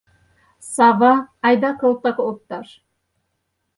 — Сава, айда кылта опташ!